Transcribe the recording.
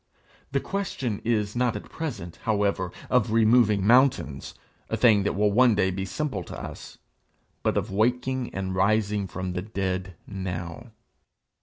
The question is not at present, however, of removing mountains, a thing that will one day be simple to us, but of waking and rising from the dead now.